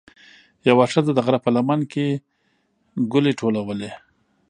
یوه ښځه د غره په لمن کې ګلې ټولولې.